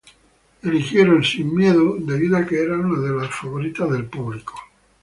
Eligieron "Don't Panic" debido a que era una de las favoritas del público.